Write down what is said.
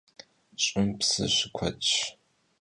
Ş'ım psı şıkuedş.